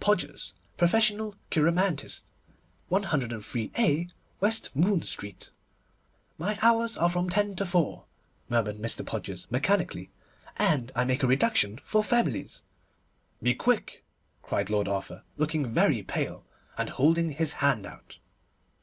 PODGERS_ Professional Cheiromantist 103_a_ West Moon Street 'My hours are from ten to four,' murmured Mr. Podgers mechanically, 'and I make a reduction for families.' 'Be quick,' cried Lord Arthur, looking very pale, and holding his hand out.